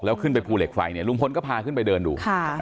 แล้วขึ้นไปภูเหล็กไฟเนี่ยลุงพลก็พาขึ้นไปเดินดู